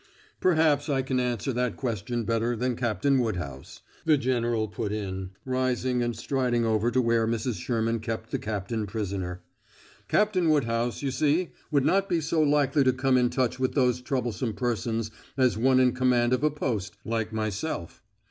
"Perhaps I can answer that question better than Captain Woodhouse," the general put in, rising and striding over to where Mrs. Sherman kept the captain prisoner. "Captain Woodhouse, you see, would not be so likely to come in touch with those troublesome persons as one in command of a post, like myself."